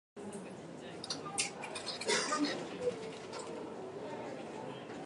Feere boo danya ɓikkon wooɗkon, wooɗkon.